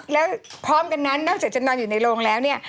แล้วพร้อมกันนั้นนอกจากจะนอนอยู่ในโรงแล้วเนี่ย